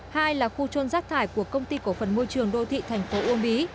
hai là khu trôn rác thải của công ty cổ phần môi trường đô thị thành phố uông bí